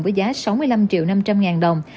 với giá sáu mươi năm triệu năm trăm linh ngàn đồng